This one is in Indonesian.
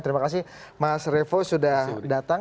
terima kasih mas revo sudah datang